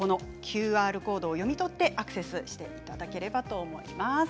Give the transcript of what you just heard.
ＱＲコードを読み取ってアクセスしていただければと思います。